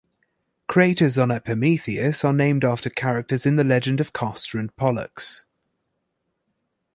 Craters on Epimetheus are named after characters in the legend of Castor and Pollux.